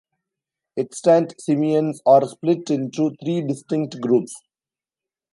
Extant simians are split into three distinct groups.